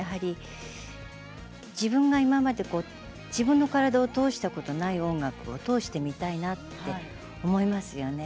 自分が今まで自分の体を通したことがない音楽を通してみたいなと思いますよね。